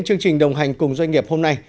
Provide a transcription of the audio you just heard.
chương trình đồng hành cùng doanh nghiệp hôm nay